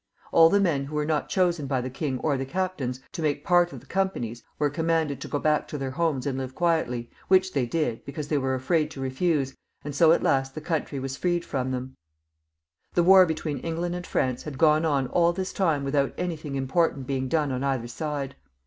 All the men who were not chosen by the king or the captains to make part of the companies, were commanded to go back p 210 CHARLES VIL [CH. to their homes and live quietly, which they did, because they were afraid to refuse, and so at last the country was freed fix)m them. The wax between England and France had gone on all this time without anything important being done on either side.